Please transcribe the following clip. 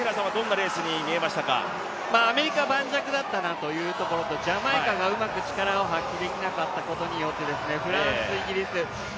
アメリカは盤石だったなというところと、ジャマイカがうまく力を発揮できなかったことによってフランス、イギリスですね。